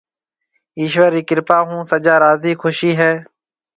ايشوَر رِي ڪرپا هون سجا راضِي خوشِي هيَ۔